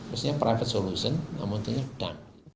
maksudnya private solution namun tentunya done